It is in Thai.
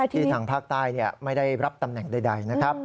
ทางภาคใต้ไม่ได้รับตำแหน่งใดนะครับ